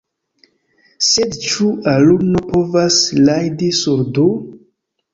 Sed ĉu ulano povas rajdi sur du?